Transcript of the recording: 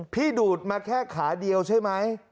ดูดมาแค่ขาเดียวใช่ไหม